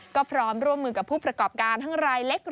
ก็พร้อมร่วมมือกับผู้ประกอบการ